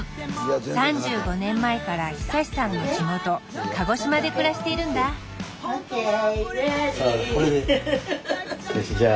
３５年前から久さんの地元鹿児島で暮らしているんだよしじゃあ